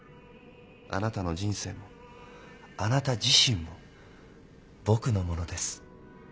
あなたの人生もあなた自身も僕のものです。